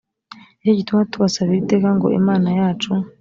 ni cyo gituma tubasabira iteka ngo imana yacu